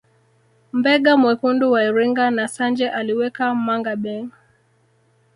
Mbega mwekundu wa Iringa na Sanje aliweka mangabey